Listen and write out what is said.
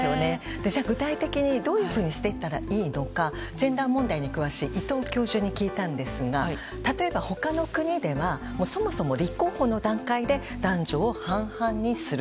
具体的にどういうふうにしていったらいいかジェンダー問題に詳しい伊藤教授に聞いたんですが例えば他の国ではそもそも立候補の段階で男女を半々にする。